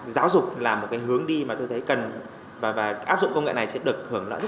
giáo dục là một hướng đi mà tôi thấy cần và áp dụng công nghệ này sẽ được hưởng lợi rất nhiều